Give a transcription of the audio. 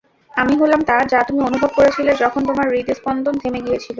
আমি হলাম তা, যা তুমি অনুভব করেছিলে যখন তোমার হৃৎস্পন্দন থেমে গিয়েছিল।